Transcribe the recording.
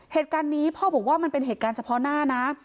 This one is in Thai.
เหตุการณ์นี้พ่อบอกว่ามันเป็นเหตุการณ์เฉพาะหน้านะ